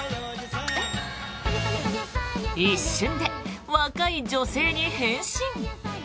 一瞬で若い女性に変身。